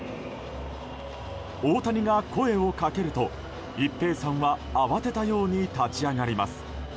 大谷が声をかけると、一平さんは慌てたように立ち上がります。